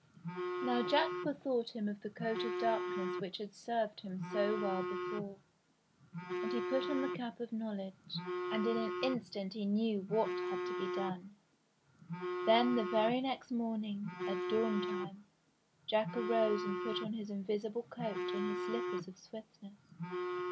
Now Jack bethought him of the coat of darkness which had served him so well before, and he put on the cap of knowledge, and in an instant he knew what had to be done. Then the very next morning, at dawn time. Jack arose and put on his invisible coat and his slippers of swiftness.